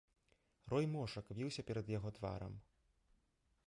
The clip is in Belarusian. Рой мошак віўся перад яго тварам.